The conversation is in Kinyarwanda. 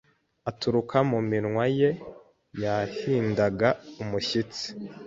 aturuka mu minwa ye yahindaga umushyitsi.